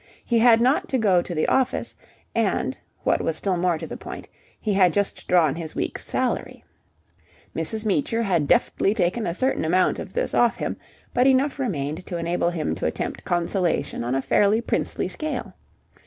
He had not to go to the office, and, what was still more to the point, he had just drawn his week's salary. Mrs. Meecher had deftly taken a certain amount of this off him, but enough remained to enable him to attempt consolation on a fairly princely scale.